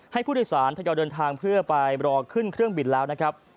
ให้ผู้โดยสารทยอยเดินทางเพื่อไปรอขึ้นเครื่องบินแล้วนะครับ